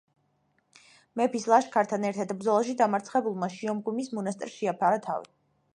მეფის ლაშქართან ერთ-ერთ ბრძოლაში დამარცხებულმა შიომღვიმის მონასტერს შეაფარა თავი.